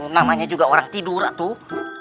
namanya juga orang tidur atuh